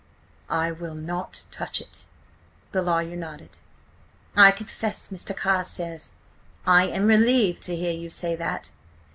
"I will not touch it." The lawyer nodded. "I confess, Mr. Carstares, I am relieved to hear you say that.